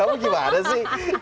kamu gimana sih